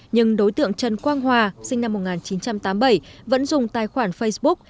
nhưng đối tượng trần quang hòa sinh năm một nghìn chín trăm tám mươi bảy vẫn dùng tài khoản facebook